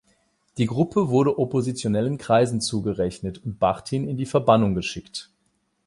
Die Gruppe wurde oppositionellen Kreisen zugerechnet und Bachtin in die Verbannung geschickt.